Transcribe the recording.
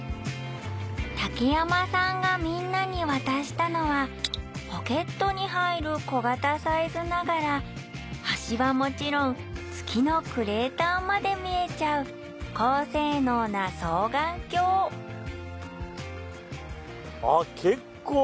竹山さんがみんなに渡したのはケットに入る小型サイズながらはもちろん月のクレーターまで見えちゃう性能な双眼鏡っ結構。